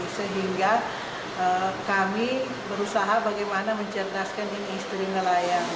jadi kami berusaha bagaimana mencerdaskan ini istri nelayan